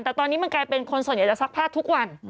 แต่ตอนนี้มันกลายเป็นคนส่วนใหญ่จะซักผ้าทุกวัน